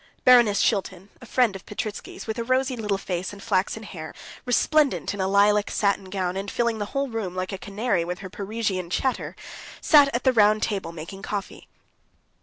Baroness Shilton, a friend of Petritsky's, with a rosy little face and flaxen hair, resplendent in a lilac satin gown, and filling the whole room, like a canary, with her Parisian chatter, sat at the round table making coffee.